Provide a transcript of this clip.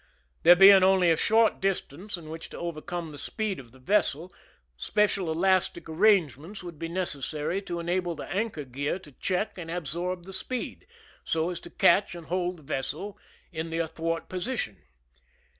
There being only a short distance in which to overcome the speed of the vessel, special elastic arrangements would be necessary to enable the anchor gear to check and absorb the speed, so as to catch and hold the vessel in the athwart position.